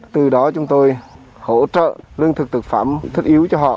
từ đó chúng tôi hỗ trợ lương thực thực phẩm thiết yếu cho họ